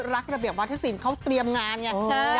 รักระเบียบวาทสินครับเขาเตรียมงานเนี่ย